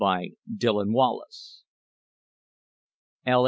by Dillon Wallace L.